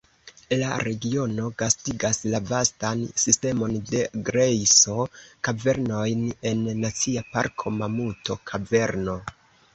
La regiono gastigas la vastan sistemon de grejso-kavernojn en Nacia Parko Mamuto-Kaverno.